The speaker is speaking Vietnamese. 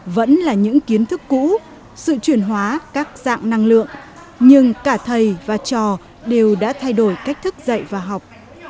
vẫn là những kiến thức cũ sự chuyển hóa các dạng năng lượng nhưng cả thầy và trò đều đã thay đổi cách thức dạy và học